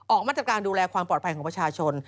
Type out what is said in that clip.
มาตรการดูแลความปลอดภัยของประชาชน